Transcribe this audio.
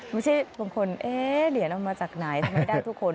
บางคนเอ๊ะเหรียญเอามาจากไหนทำไมได้ทุกคน